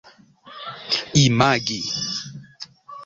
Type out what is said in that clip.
imagi